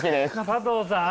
加藤さん。